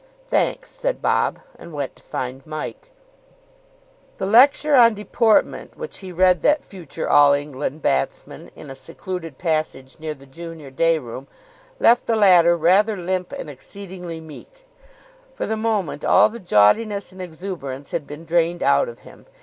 "Thanks," said Bob, and went to find Mike. The lecture on deportment which he read that future All England batsman in a secluded passage near the junior day room left the latter rather limp and exceedingly meek. For the moment all the jauntiness and exuberance had been drained out of him.